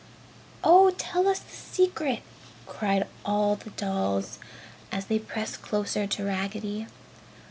"Oh tell us the secret!" cried all the dolls, as they pressed closer to Raggedy.